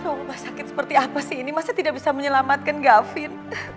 rumah sakit seperti apa sih ini maksudnya tidak bisa menyelamatkan gavin